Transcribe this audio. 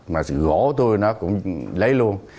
mà gỗ tôi nó cũng lấy luôn